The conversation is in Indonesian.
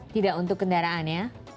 tidak untuk kendaraan ya